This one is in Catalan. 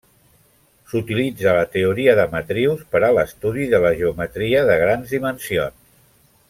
S'utilitza la teoria de matrius per a l'estudi de la geometria de grans dimensions.